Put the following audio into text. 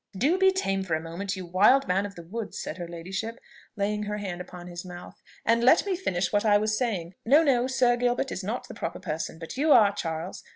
"Do be tame for a moment, you wild man of the woods," said her ladyship, laying her hand upon his mouth, "and let me finish what I was saying. No, no, Sir Gilbert is not the proper person; but you are, Charles.